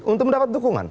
untuk mendapat dukungan